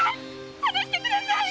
放してください‼〕